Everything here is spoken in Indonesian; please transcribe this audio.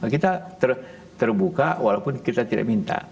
kita terbuka walaupun kita tidak minta